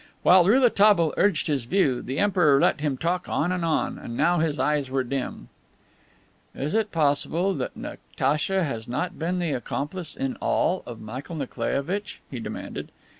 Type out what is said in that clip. While Rouletabille urged his view, the Emperor let him talk on and on, and now his eyes were dim. "Is it possible that Natacha has not been the accomplice, in all, of Michael Nikolaievitch?" he demanded.